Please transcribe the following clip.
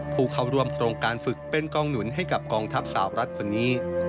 ผู้เข้าร่วมโครงการฝึกเป็นกองหนุนให้กับกองทัพสาวรัฐคนนี้